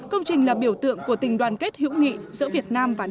công trình là biểu tượng của tình đoàn kết hiệu quả